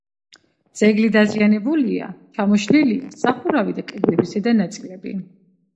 ძეგლი დაზიანებულია: ჩამოშლილია სახურავი და კედლების ზედა ნაწილები.